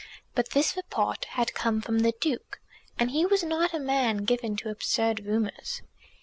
But this report had come from the Duke, and he was not a man given to absurd rumours.